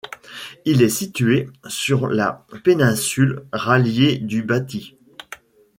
Il est situé sur la péninsule Rallier du Baty.